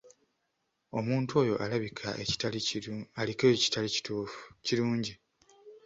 Omuntu oyo alabika aliko ekitali kirungi.